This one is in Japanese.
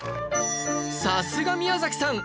さすが宮崎さん